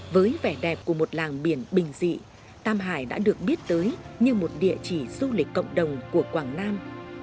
với vẻ đẹp của một làng biển bình dị tam hải đã được biết tới như một địa chỉ du lịch cộng đồng của quảng nam